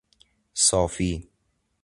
صافی